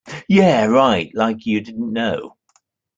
Yeah, right, like you didn't know!